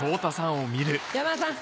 山田さん